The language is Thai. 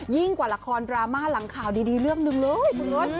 ยิ่งกว่าราคารดราม่าหลังข่าวดีเรื่องนึงเลยคุณรส